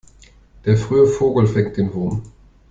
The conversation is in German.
Der frühe Vogel fängt den Wurm.